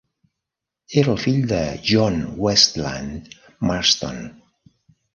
Era el fill de John Westland Marston.